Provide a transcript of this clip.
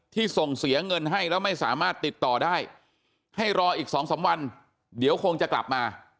ส่งเสียเงินให้แล้วไม่สามารถติดต่อได้ให้รออีก๒๓วันเดี๋ยวคงจะกลับมา